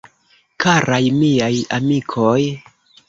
Karaj Miaj Amikoj!